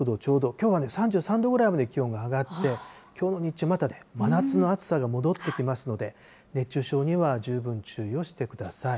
きょうは３３度ぐらいまで気温が上がって、きょうの日中またね、真夏の暑さが戻ってきますので、熱中症には十分注意をしてください。